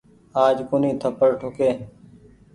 آج ڪونيٚ ٿپڙ ٺوڪي۔